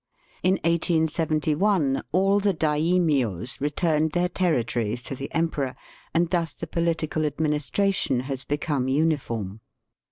In 1871 all the daimios returned their territories to the emperor, and thus the political administration has become uniform.